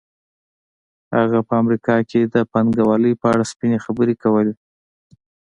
هغه په امریکا کې د پانګوالۍ په اړه سپینې خبرې کولې